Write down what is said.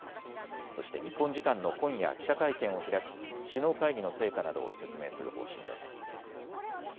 そして日本時間の今夜、記者会見を開き、首脳会議の成果などを説明する方針です。